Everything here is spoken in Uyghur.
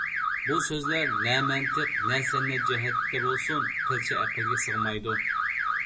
بۇ سۆزلەر نە مەنتىق، نە سەنئەت جەھەتتە بولسۇن قىلچە ئەقىلگە سىغمايدۇ.